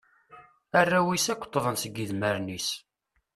Arraw-is akk ṭṭḍen seg idmaren-is.